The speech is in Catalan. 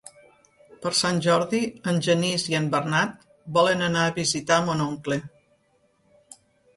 Per Sant Jordi en Genís i en Bernat volen anar a visitar mon oncle.